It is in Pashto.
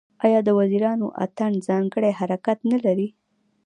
آیا د وزیرو اتن ځانګړی حرکت نلري؟